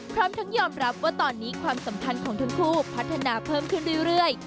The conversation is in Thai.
พร้อมทั้งยอมรับว่าตอนนี้ความสัมพันธ์ของทั้งคู่พัฒนาเพิ่มขึ้นเรื่อย